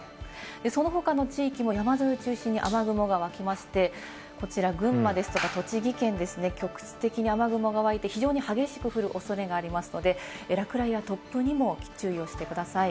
その他の地域も山沿いを中心に雨雲が湧きまして、こちら群馬ですとか栃木県ですね、局地的に雨雲がわいて非常に激しく降るおそれがありますので落雷や突風にも注意をしてください。